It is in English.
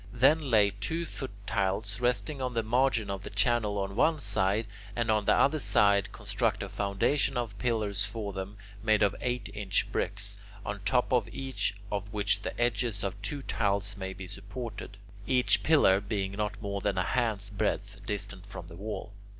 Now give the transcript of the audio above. Then lay two foot tiles resting on the margin of the channel on one side, and on the other side construct a foundation of pillars for them, made of eight inch bricks, on top of each of which the edges of two tiles may be supported, each pillar being not more than a hand's breadth distant from the wall.